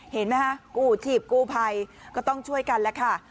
เห็นไหมฮะกู้ชีพกู้ภัยก็ต้องช่วยกันแล้วค่ะ